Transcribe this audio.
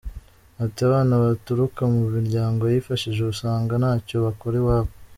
Ati ”Abana baturuka mu miryango yifashije usanga ntacyo bakora iwabo.